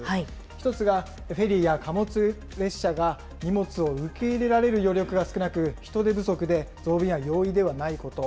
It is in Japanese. １つがフェリーや貨物列車が荷物を受け入れられる余力が少なく、人手不足で増便は容易ではないこと。